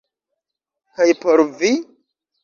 Kaj por vi?